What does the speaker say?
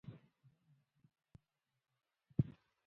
باز د لمر پر وړاندې الوزي.